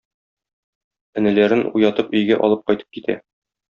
Энеләрен уятып өйгә алып кайтып китә.